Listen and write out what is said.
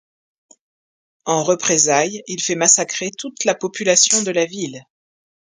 En représailles, il fait massacrer toute la population de la ville.